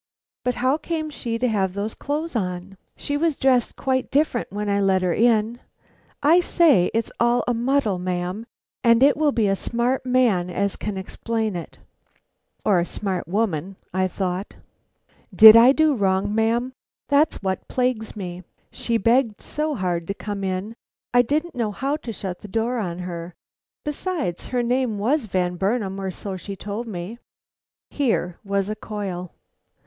But how came she to have those clothes on. She was dressed quite different when I let her in. I say it's all a muddle, ma'am, and it will be a smart man as can explain it." "Or a smart woman," I thought. "Did I do wrong, ma'am? That's what plagues me. She begged so hard to come in, I didn't know how to shut the door on her. Besides her name was Van Burnam, or so she told me." Here was a coil.